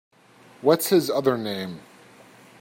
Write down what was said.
What’s his other name?